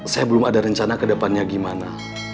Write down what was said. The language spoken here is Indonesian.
saya belum ada rencana kedepannya gimana